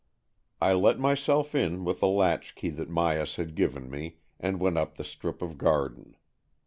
I let myself in with the latchkey that Myas had given me, and went up the strip of garden.